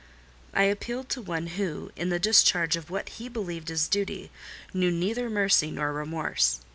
I appealed to one who, in the discharge of what he believed his duty, knew neither mercy nor remorse.